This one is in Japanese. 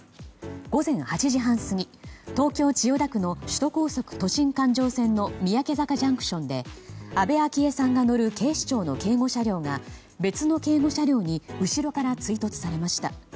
午前８時半過ぎ東京・千代田区の首都高速都心環状線の三宅坂ＪＣＴで安倍昭恵さんが乗る警視庁の警護車両が別の警護車両に後ろから追突されました。